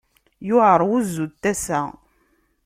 Yewɛer wuzzu n tasa.